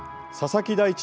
佐々木大地